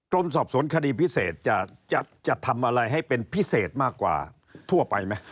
สอบสวนคดีพิเศษจะทำอะไรให้เป็นพิเศษมากกว่าทั่วไปไหม